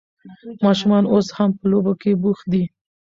ماشومان اوس هم په لوبو کې بوخت دي.